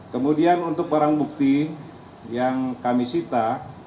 kemudian untuk barang bukti yang kami sita